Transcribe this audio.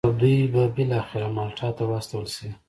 او دوی به بالاخره مالټا ته واستول شي.